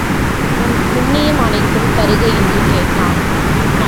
உன் புண்ணியம் அனைத்தும் தருக என்று கேட்டான்.